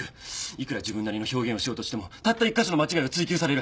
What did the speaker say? いくら自分なりの表現をしようとしてもたった１か所の間違いを追及される！